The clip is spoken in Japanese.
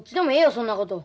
そんなこと。